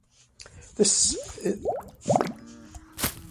Thus the saga is contemporary or near-contemporary with the events it describes.